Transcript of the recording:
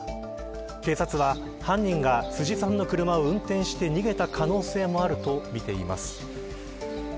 警察は犯人が辻さんの車を運転して逃げた可能性もあるとみています。